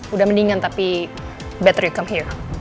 udah mendingan tapi better you come here